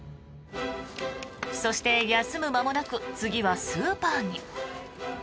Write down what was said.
そして、休む間もなく次はスーパーに。